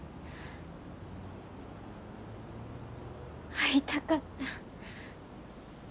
会いたかった。